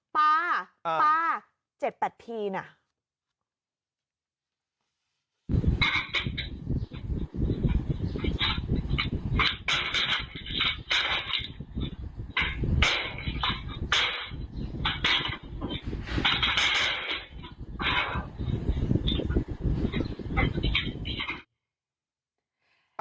ป๊าป๊าเจ็ดปัดทีน่ะ